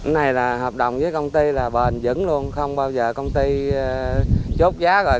này là hợp đồng với công ty là bền vẫn luôn không bao giờ công ty chốt giá rồi